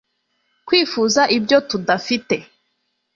kwifuza ibyo tudafite